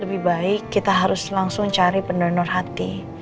lebih baik kita harus langsung cari pendonor hati